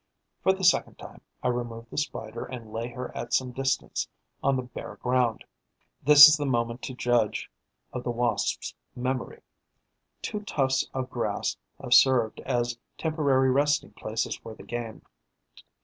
For the second time, I remove the Spider and lay her at some distance, on the bare ground. This is the moment to judge of the Wasp's memory. Two tufts of grass have served as temporary resting places for the game.